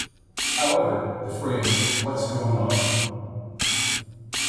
However, the phrase what's going on?